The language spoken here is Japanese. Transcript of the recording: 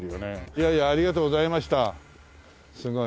いやいやありがとうございましたすごい。